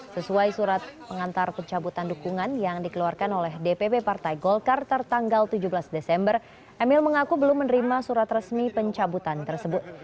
sesuai surat pengantar pencabutan dukungan yang dikeluarkan oleh dpp partai golkar tertanggal tujuh belas desember emil mengaku belum menerima surat resmi pencabutan tersebut